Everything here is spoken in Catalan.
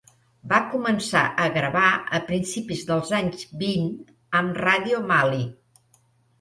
Va començar a gravar a principis dels anys vint amb Radio Mali.